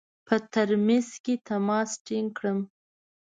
په ترمیز کې تماس ټینګ کړم.